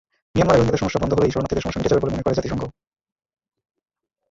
মিয়ানমারে রোহিঙ্গাদের সমস্যা বন্ধ হলেই শরণার্থীদের সমস্যা মিটে যাবে বলে মনে করে জাতিসংঘ।